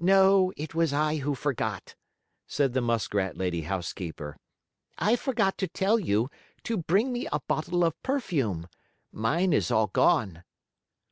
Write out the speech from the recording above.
"No, it was I who forgot," said the muskrat lady housekeeper. "I forgot to tell you to bring me a bottle of perfume. Mine is all gone."